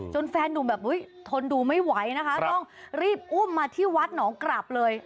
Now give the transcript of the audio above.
แฟนนุ่มแบบทนดูไม่ไหวนะคะต้องรีบอุ้มมาที่วัดหนองกราบเลย